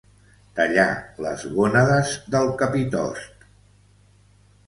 Tallar les gònades del capitost.